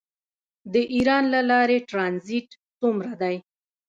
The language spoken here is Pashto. د ایران له لارې ټرانزیټ څومره دی؟